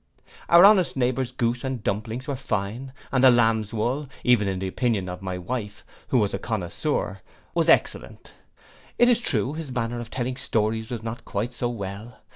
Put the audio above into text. Our honest neighbour's goose and dumplings were fine, and the lamb's wool, even in the opinion of my wife, who was a connoiseur, was excellent. It is true, his manner of telling stories was not quite so well.